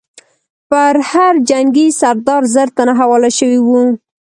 پر هر جنګي سردار زر تنه حواله شوي وو.